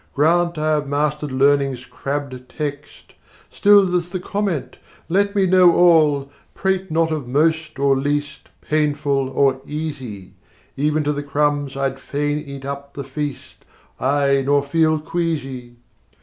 Grant I have mastered learning's crabbed text, Still there's the comment. 60 Let me know all! Prate not of most or least, Painful or easy! Even to the crumbs I'd fain eat up the feast, Ay, nor feel queasy."